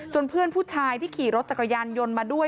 เพื่อนผู้ชายที่ขี่รถจักรยานยนต์มาด้วย